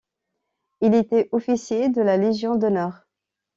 Il était officier de la légion d’honneur.